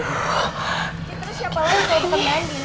ini dari siapa lagi